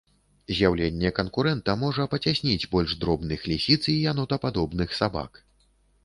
З'яўленне канкурэнта можа пацясніць больш дробных лісіц і янотападобных сабак.